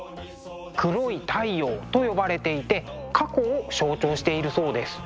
黒い太陽と呼ばれていて過去を象徴しているそうです。